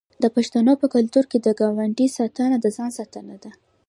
د پښتنو په کلتور کې د ګاونډي ساتنه د ځان ساتنه ده.